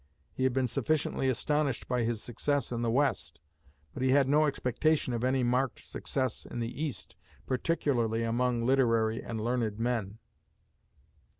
He had been sufficiently astonished by his success in the West, but he had no expectation of any marked success in the East, particularly among literary and learned men.